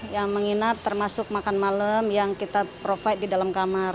yang menginap termasuk makan malam yang kita provide di dalam kamar